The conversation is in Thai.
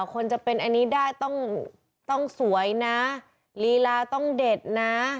คนจะเป็นอันนี้ได้ต้องสวยนะลีลาต้องเด็ดนะ